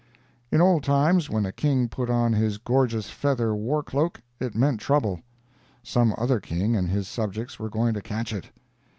In old times, when a king put on his gorgeous feather war cloak, it meant trouble; some other king and his subjects were going to catch it.